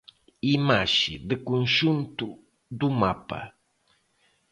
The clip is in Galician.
Imaxe de conxunto do mapa.